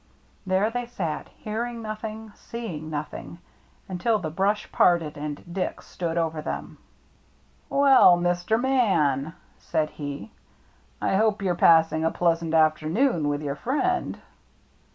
There they sat, hearing nothing, seeing nothing, until the brush parted and Dick stood over them. " Well, Mr. Man," said he, " I hope you're passing a pleasant afternoon with your friend."